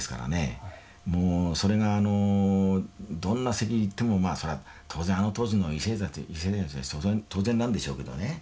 もうそれがあのどんな席行ってもまあそら当然あの当時の為政者たち当然なんでしょうけどね。